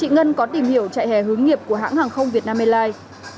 chị ngân có tìm hiểu trại hè hướng nghiệp của hãng hàng không việt nam airlines